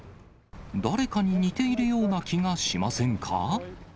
誰かに似ているような気がしませんか。